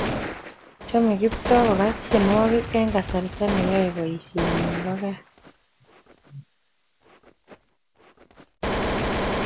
chomei Kiptoo kokas tienwogik eng kasarta neyoei boisienyin nebo kaa